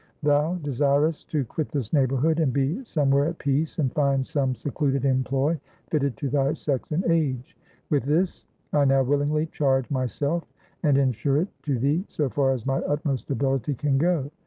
Thou desirest to quit this neighborhood, and be somewhere at peace, and find some secluded employ fitted to thy sex and age. With this, I now willingly charge myself, and insure it to thee, so far as my utmost ability can go.